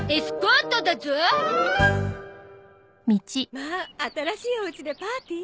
まあ新しいお家でパーティー？